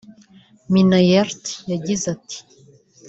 Minnaert yagize ati